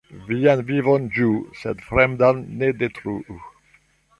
Vian vivon ĝuu, sed fremdan ne detruu.